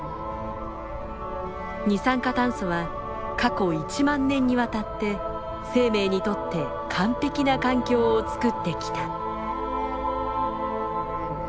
二酸化炭素は過去１万年にわたって生命にとって完璧な環境をつくってきた。